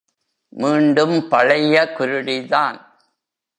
மீண்டும் பழைய குருடிதான்.